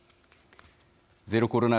ゼロコロナ